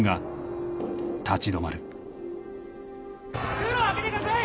通路を開けてください